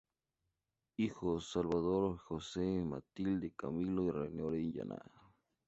Hijos: Salvador, Jose, Matilde, Camilo y Rene Orellana.